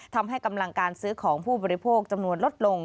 ทำให้กำลังการซื้อของผู้บริโภคจำนวนลดลง